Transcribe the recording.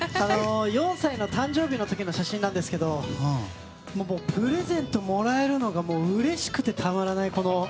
４歳の誕生日の時の写真なんですけどプレゼントもらえるのがうれしくてたまらない。